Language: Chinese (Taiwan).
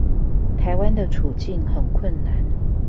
臺灣的處境很困難